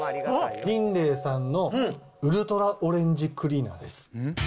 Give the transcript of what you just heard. リンレイさんのウルトラオレンジクリーナーです。